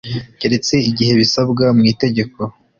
keretse igihe bisabwa mu itegeko